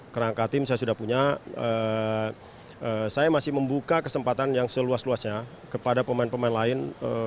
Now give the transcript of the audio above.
kerangka tim saya sudah punya saya masih membuka kesempatan yang seluas luasnya kepada pemain pemain lain